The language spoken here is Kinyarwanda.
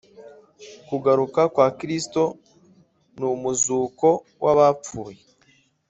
Kugaruka kwa Kristo n umuzuko w abapfuye